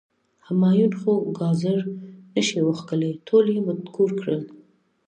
همایون خو ګازر نه شي وښکلی، ټول یی مټکور کړل.